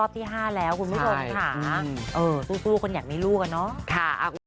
เพราะว่ามีธรรมชาติไม่ได้